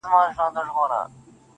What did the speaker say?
• خو وخته لا مړ سوى دی ژوندى نـه دی.